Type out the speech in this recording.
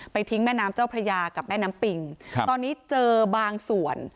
ทิ้งแม่น้ำเจ้าพระยากับแม่น้ำปิงครับตอนนี้เจอบางส่วน